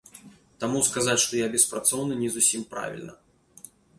Таму сказаць, што я беспрацоўны, не зусім правільна.